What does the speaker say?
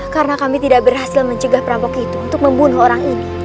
karena kami tidak berhasil mencegah perampok itu untuk membunuh orang ini